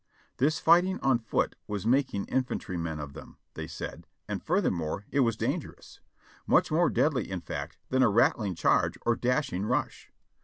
This fighting on foot was making infantrymen of them, they said, and furthermore, it was dangerous ; much more deadly, in fact, than a rattling charge or dashing rush.